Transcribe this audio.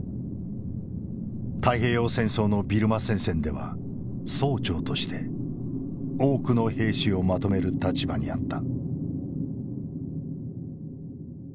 太平洋戦争のビルマ戦線では曹長として多くの兵士をまとめる立場にあった。